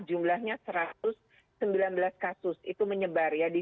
jumlahnya satu ratus sembilan belas kasus itu menyebar ya